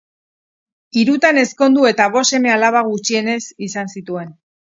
Hirutan ezkondu eta bost seme-alaba, gutxienez, izan zituen.